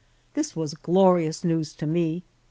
This was glorious news to me.